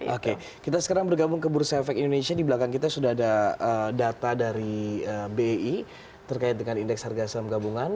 oke kita sekarang bergabung ke bursa efek indonesia di belakang kita sudah ada data dari bii terkait dengan indeks harga saham gabungan